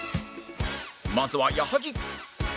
まずは矢作